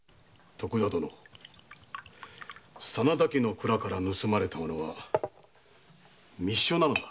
徳田殿真田家の蔵から盗まれた物は密書だ。